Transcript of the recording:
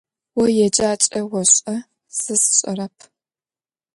О еджакӏэ ошӏэ, сэ сшӏэрэп.